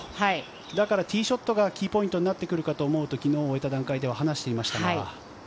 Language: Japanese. だから、ティーショットがキーポイントになってくると思うと昨日終えた段階では話していましたから。